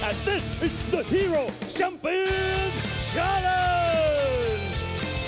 ถ่ายท่าสดจากแม็กซ์จากแม็กซ์จากแม็กซ์จากแม็กซ์